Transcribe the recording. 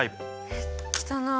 えっ汚い。